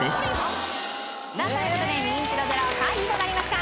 さあという事でニンチドゼロ回避となりました。